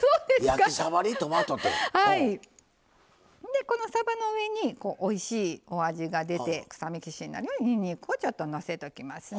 でこのさばの上においしいお味が出て臭み消しになるにんにくをちょっとのせときますね。